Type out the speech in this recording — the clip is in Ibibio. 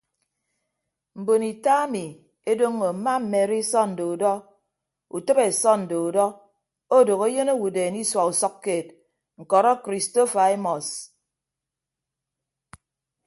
Mbon ita ami edoñño mma mmedi sọnde udọ utịbe sọnde udọ odooho eyịn owodeen isua usʌkkeed ñkọrọ kristofa emọs.